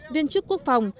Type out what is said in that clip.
viên chức quốc phòng